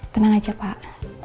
tenang aja pak